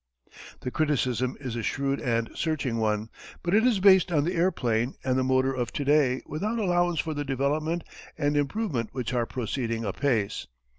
The criticism is a shrewd and searching one. But it is based on the airplane and the motor of to day without allowance for the development and improvement which are proceeding apace.